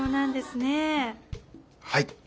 はい。